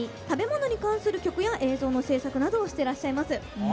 食べ物に関する曲や映像の制作などをしてらっしゃいます。